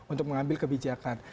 untuk mengambil kebijakan